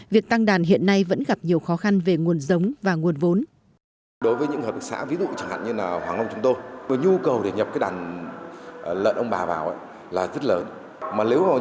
việc tăng đàn hiện nay vẫn gặp nhiều khó khăn về nguồn giống và nguồn vốn